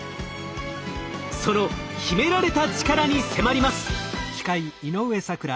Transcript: その秘められたチカラに迫ります。